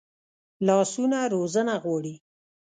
لاسونه روزنه غواړي